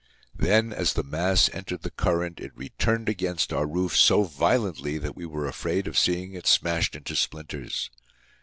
Then, as the mass entered the current, it returned against our roof so violently that we were afraid of seeing it smashed into splinters.